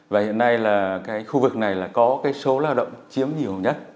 và hiện nay khu vực này có số lao động chiếm nhiều nhất